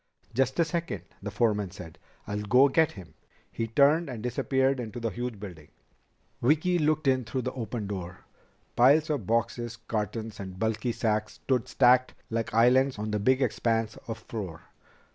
"Just a second," the foreman said. "I'll go get him." He turned and disappeared into the huge building. Vicki looked in through the open door. Piles of boxes, cartons, and bulky sacks stood stacked like islands on the big expanse of floor.